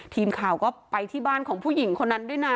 ทีมข่าวก็ไปที่บ้านของผู้หญิงคนนั้นด้วยนะ